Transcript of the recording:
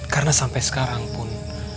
karena sampai sekarang pun